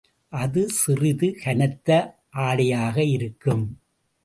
அது சிறிது கனத்த ஆடையாக இருக்கும்.